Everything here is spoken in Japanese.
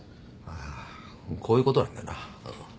あこういうことなんだなうん。